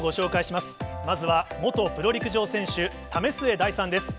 まずは元プロ陸上選手、為末大さんです。